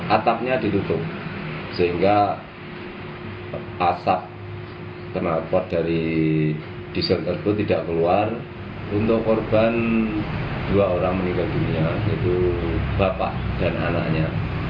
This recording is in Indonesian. atapnya ditutup sehingga asap kenalpot dari diesel tersebut tidak keluar untuk korban dua orang meninggal dunia yaitu bapak dan anaknya